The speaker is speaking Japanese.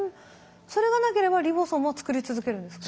それがなければリボソームを作り続けるんですか？